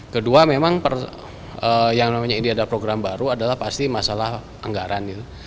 kedua memang yang namanya ini adalah program baru adalah pasti masalah anggaran gitu